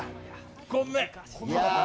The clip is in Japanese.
ごめん！